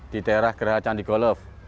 di daerah geraha candi golov